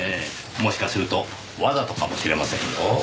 もしかするとわざとかもしれませんよ。